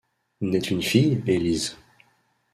Naît une fille, Élise.